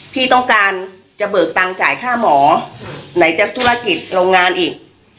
พี่ต้องการจะเบิกตังค์จ่ายค่าหมอไหนจะธุรกิจโรงงานอีก